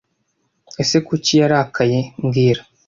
ese Kuki yarakaye mbwira